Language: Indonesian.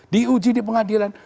di sidang pengadilan